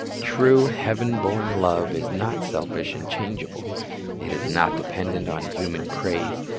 True, heaven born love is not selfish and changeable. It is not dependent on human praise.